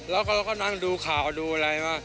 เราก็นั่งดูข่าวก็ดูอะไร